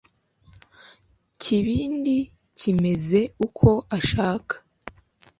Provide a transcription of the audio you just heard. kibindi kimeze uko ashaka